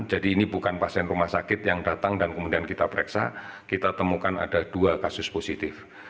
jadi ini bukan pasien rumah sakit yang datang dan kemudian kita pereksa kita temukan ada dua kasus positif